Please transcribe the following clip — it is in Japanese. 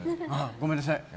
ごめんなさい。